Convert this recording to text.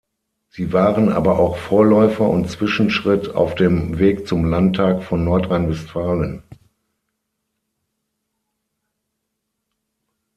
Sie waren aber auch Vorläufer und Zwischenschritt auf dem Weg zum Landtag von Nordrhein-Westfalen.